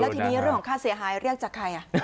แล้วทีนี้เรื่องของข้าเสียหายเรียกจากใครอ่ะ